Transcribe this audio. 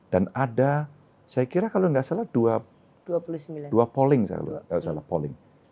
dan ada saya kira kalau enggak salah dua polling